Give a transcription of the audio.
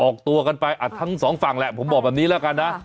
ออกตัวกันไปทั้งสองฝั่งแหละผมบอกแบบนี้แล้วกันนะ